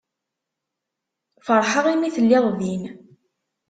Feṛḥeɣ imi telliḍ din.